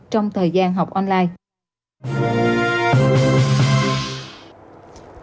trong thời gian học online